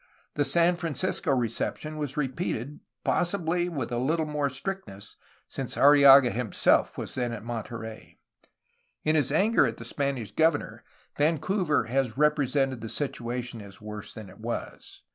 The San Francisco reception was repeated, possibly with a Uttle more strictness, since Arrillaga himself was then at Monte rey. In his anger at the Spanish governor, Vancouver has represented the situation as worse than it was.